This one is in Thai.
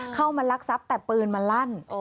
เข้ามาลักษัพแต่ปืนมาลั่น